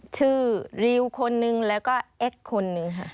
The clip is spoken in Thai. ริวคนนึงแล้วก็เอ็กซ์คนนึงค่ะ